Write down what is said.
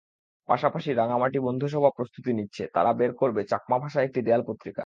পাশাপাশি রাঙামাটি বন্ধুসভা প্রস্তুতি নিচ্ছে, তারা বের করবে চাকমা ভাষায় একটি দেয়াল পত্রিকা।